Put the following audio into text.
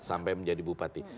sampai menjadi bupati